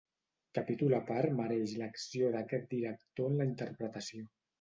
Capítol a part mereix l'acció d'aquest director en la interpretació.